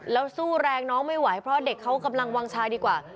แล้วสู้แรงน้องไม่ไหวเพราะเด็กเขากำลังวางชายดีกว่า